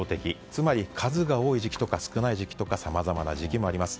つまり数が多い時期とか少ない時期とかさまざまな時期があります。